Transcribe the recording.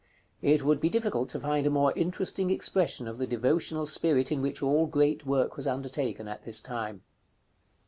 It would be difficult to find a more interesting expression of the devotional spirit in which all great work was undertaken at this time.